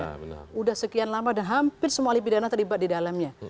sudah sekian lama dan hampir semua lipidana terlibat di dalamnya